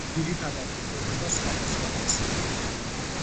ძირითადად იკვებება სხვადასხვა თესლებით.